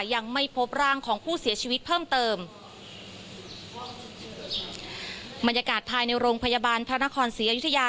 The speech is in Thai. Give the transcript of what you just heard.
ยังไม่พบร่างของผู้เสียชีวิตเพิ่มเติมบรรยากาศภายในโรงพยาบาลพระนครศรีอยุธยา